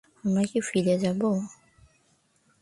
আমরা কি ফিরে যাবো?